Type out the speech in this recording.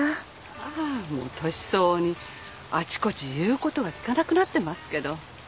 ああもう年相応にあちこち言うことが聞かなくなってますけど。